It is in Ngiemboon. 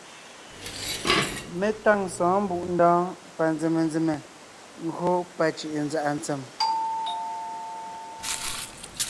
Mé táŋ sɔ̌ɔn Mbùʼndɔɔn panzèmenzème gÿó pacʉ̀ʼʉnzàʼa tsem.